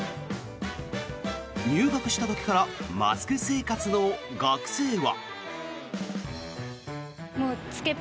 入学した時からマスク生活の学生は。